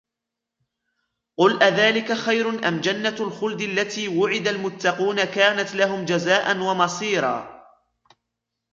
قل أذلك خير أم جنة الخلد التي وعد المتقون كانت لهم جزاء ومصيرا